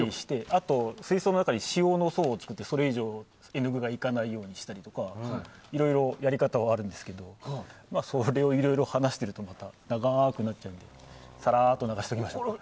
あと、水槽の中に塩の層を作ってそれ以上、絵の具が行かないようにしたりとかいろいろやり方はあるんですがそれをいろいろ話しているとまた長くなっちゃうのでさらっと流しておきましょうか。